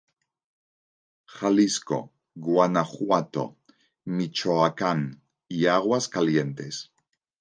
Jalisco, Guanajuato, Michoacán i Aguascalientes.